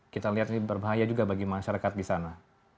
kita lihat ini berbahaya juga bagi masyarakat di sana